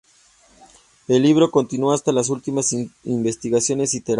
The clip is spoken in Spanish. El libro continúa hasta las últimas investigaciones y terapias.